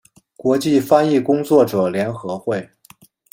国际翻译工作者联合会